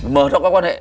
lợi dụng các quan hệ